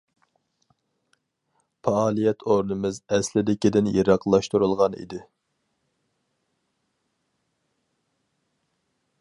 پائالىيەت ئورنىمىز ئەسلىدىكىدىن يىراقلاشتۇرۇلغان ئىدى.